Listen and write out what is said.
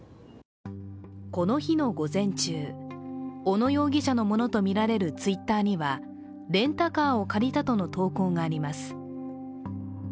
この日の午前中小野容疑者のものとみられるＴｗｉｔｔｅｒにはレンタカーを借りたとの投稿があります。